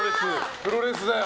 プロレスだよ。